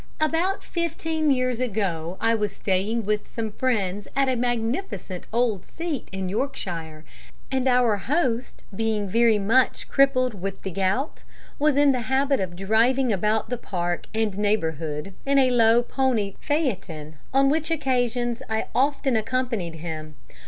"About fifteen years ago I was staying with some friends at a magnificent old seat in Yorkshire, and our host being very much crippled with the gout, was in the habit of driving about the park and neighbourhood in a low pony phaeton, on which occasions I often accompanied him.